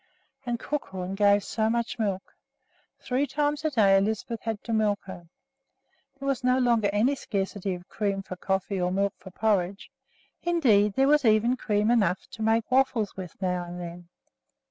And Crookhorn gave so much milk! Three times a day Lisbeth had to milk her. There was no longer any scarcity of cream for coffee or milk for porridge. Indeed, there was even cream enough to make waffles with now and then.